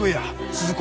鈴子。